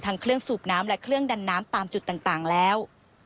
เครื่องสูบน้ำและเครื่องดันน้ำตามจุดต่างแล้ว